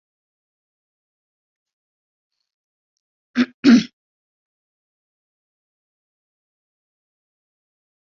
Mbohapy mitã jeko oguerekova'ekue hikuái.